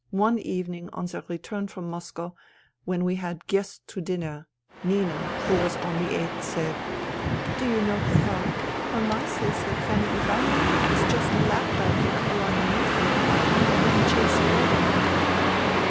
" One evening on their return from Moscow, when we had guests to dinner, Nina, who was only eight, said : '"Do you know. Papa, Mama says that Fanny Ivanovna is just a lap dog you cuddle on your knee for a while and then chase away.'